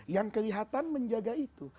yang kelihatan menjaga itu